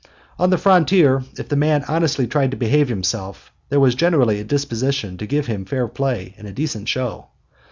On the frontier, if the man honestly tried to behave himself there was generally a disposition to give him fair play and a decent show.